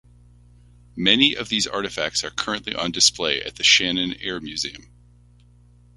Many of these artifacts are currently on display at the Shannon Air Museum.